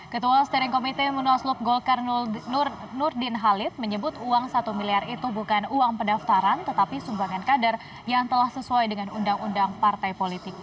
ketua steering komite munaslup golkar nurdin halid menyebut uang satu miliar itu bukan uang pendaftaran tetapi sumbangan kader yang telah sesuai dengan undang undang partai politik